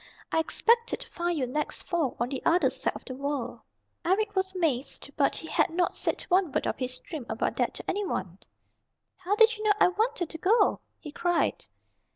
I expected to find you next fall on the other side of the world." Eric was amazed, for he had not said one word of his dream about that to any one. "How did you know I wanted to go?" he cried.